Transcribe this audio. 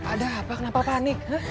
ada apa kenapa panik